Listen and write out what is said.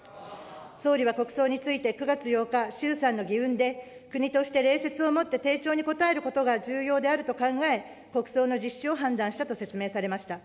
総理は国葬について、９月８日、衆参の議運で国として礼節をもって丁重に応えることが重要であると考え、国葬の実施を判断したと説明されました。